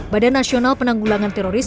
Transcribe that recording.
badan nasional penanggulangan teroris